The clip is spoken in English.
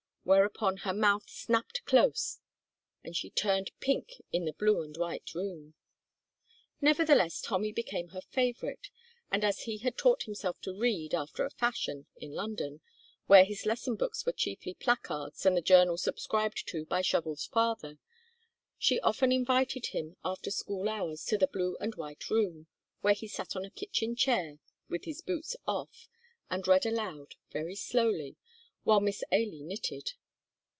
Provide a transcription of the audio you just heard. whereupon her mouth snapped close, and she turned pink in the blue and white room. Nevertheless Tommy became her favorite, and as he had taught himself to read, after a fashion, in London, where his lesson books were chiefly placards and the journal subscribed to by Shovel's father, she often invited him after school hours to the blue and white room, where he sat on a kitchen chair (with his boots off) and read aloud, very slowly, while Miss Ailie knitted.